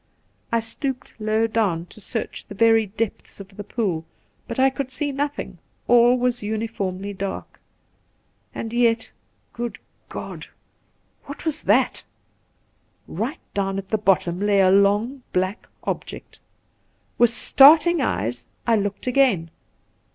I stooped low down tq search the very The Pool i8i depths of the pool, but I could see nothing; all was uniformly dark. And yet — good God ! what was that ? Eight down at the bottom lay a long black object. With starting eyes I looked again.